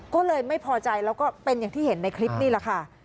ก็เลยไม่พอใจแล้วก็เป็นอย่างที่เห็นในคลิปนี่แหละค่ะ